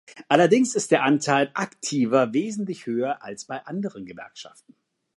Allerdings ist der Anteil Aktiver wesentlich höher als bei anderen Gewerkschaften.